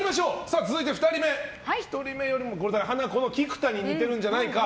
続いて２人目、１人よりもハナコの菊田に似てるんじゃないかと。